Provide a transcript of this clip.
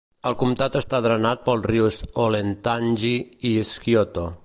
El comtat està drenat pels rius Olentangy i Scioto.